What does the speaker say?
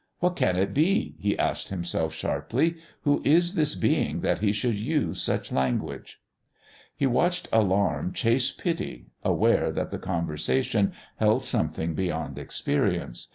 "What can it be?" he asked himself sharply. "Who is this being that he should use such language?" He watched alarm chase pity, aware that the conversation held something beyond experience.